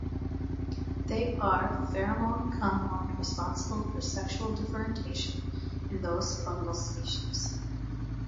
They are pheromone compound responsible for sexual differentiation in those fungal species.